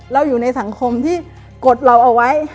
อยู่ในสังคมที่กดเราเอาไว้